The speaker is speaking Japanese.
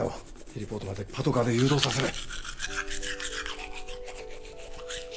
ヘリポートまでパトカーで誘導させる。